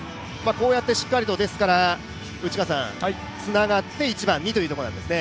こうやってしっかりとつながって１番にというところなんですね。